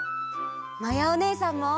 まやおねえさんも。